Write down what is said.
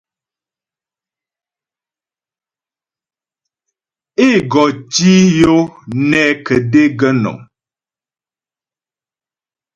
É go tǐ yo nɛ kə̀dé gə̀nɔ́m.